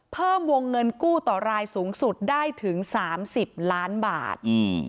เพิ่มวงเงินกู้ต่อรายสูงสุดได้ถึง๓๐ล้านบาท